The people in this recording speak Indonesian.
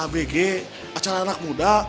abg acara anak muda